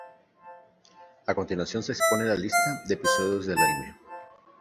A continuación, se exponen la lista de episodios del anime.